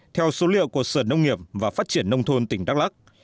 theo số liệu của sở nông nghiệp và phát triển nông thôn tỉnh đắk lắc